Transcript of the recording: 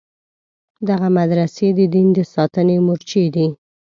دغه مدرسې د دین د ساتنې مورچې دي.